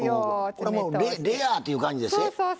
これもうレアって感じでっせ。